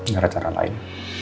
gak ada cara lain